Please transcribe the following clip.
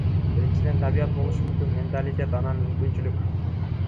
Биринчиден, табият болушу мүмкүн, менталитет, анан мүмкүнчүлүк.